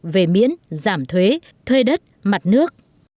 về miễn giảm thuế thuê đất mặt nước